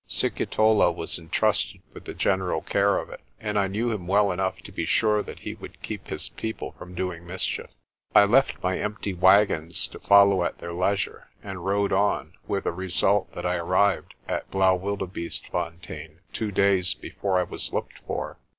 Sikitola was entrusted with the general care of it, and I knew him well enough to be sure that he would keep his people from doing mischief. I left my empty wagons to follow at their leisure and rode on, with the result that I arrived at Blaauwildebeestefontein two days before I was looked for.